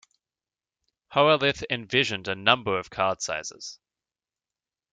Hollerith envisioned a number of card sizes.